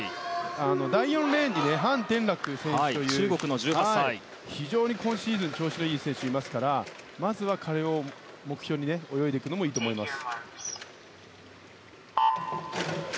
第４レーンにハン・テンラク選手という非常に今シーズン調子のいい選手がいますからまず彼を目標に泳ぐのがいいと思います。